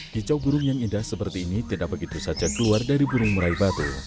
kicau burung yang indah seperti ini tidak begitu saja keluar dari burung meraih batu